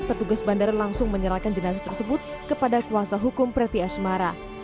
petugas bandara langsung menyerahkan jenazah tersebut kepada kuasa hukum preti asmara